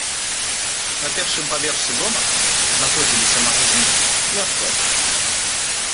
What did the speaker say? На першым паверсе дома знаходзіліся магазіны і аптэка.